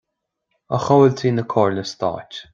A chomhaltaí na Comhairle Stáit